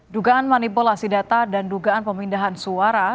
dugaan manipulasi data dan dugaan pemindahan suara